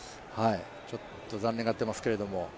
ちょっと残念がっていますけれども。